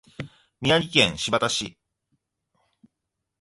宮城県柴田町